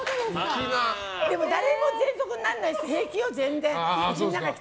でも誰もぜんそくにならないし平気よ、全然。